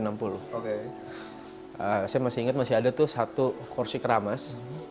saya masih ingat masih ada tuh satu kursi keramas